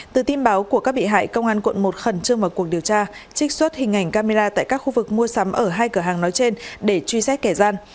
từ tin báo của các bị hại công an quận một khẩn trương vào cuộc điều tra trích xuất hình ảnh camera tại các khu vực mua sắm ở hai cửa hàng nói trên để truy xét kẻ gian